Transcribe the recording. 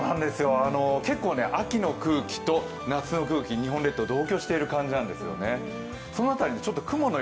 結構、秋の空気と夏の空気同居している感じですよね。